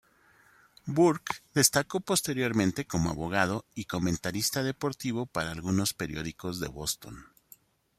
Burke destacó posteriormente como abogado y comentarista deportivo para algunos periódicos de Boston.